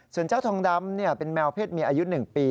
ส่วนเจ้าทองดำเป็นแมวเพศเมียอายุ๑ปี